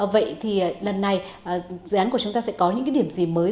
vậy thì lần này dự án của chúng ta sẽ có những cái điểm gì mới